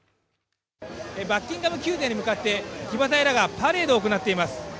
バッキンガム宮殿に向かって騎馬隊らがパレードを行っています。